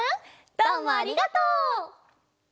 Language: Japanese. どうもありがとう。